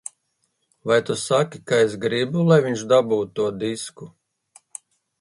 Vai tu saki, ka es gribu, lai viņš dabū to disku?